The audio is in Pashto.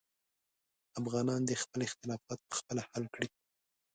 افغانان دې خپل اختلافات پخپله حل کړي.